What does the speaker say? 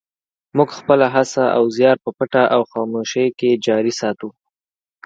موږ خپله هڅه او زیار په پټه او خاموشۍ کې جاري ساتو.